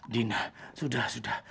dina sudah sudah